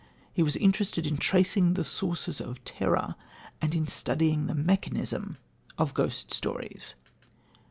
He was interested in tracing the sources of terror and in studying the mechanism of ghost stories.